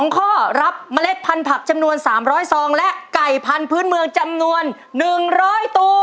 ๒ข้อรับเมล็ดพันธุ์จำนวน๓๐๐ซองและไก่พันธุ์เมืองจำนวน๑๐๐ตัว